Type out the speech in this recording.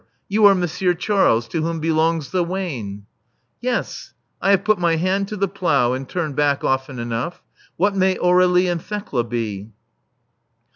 You are Monsieur Charles, to whom belongs the wain." Yes, I have put my hand to the plough and turned back often enough. What may Aur61ie and Thekla be?''